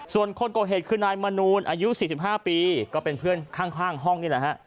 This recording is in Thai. ส่วนคนก่อเหตุคือนายมนูลอายุ๔๕ปีก็เป็นเพื่อนข้างห้องนี่แหละฮะ